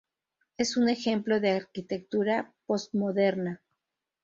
Es un ejemplo de arquitectura postmoderna.